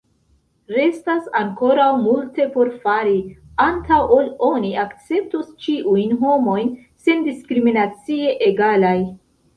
Restas ankoraŭ multe por fari, antaŭ ol oni akceptos ĉiujn homojn sendiskriminacie egalaj.